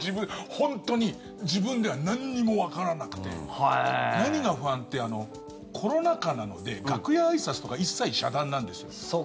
本当に自分ではなんにもわからなくて何が不安って、コロナ禍なので楽屋あいさつとか一切遮断なんですよ。